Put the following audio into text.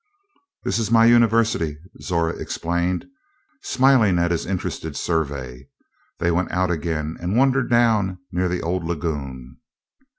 "This is my university," Zora explained, smiling at his interested survey. They went out again and wandered down near the old lagoon.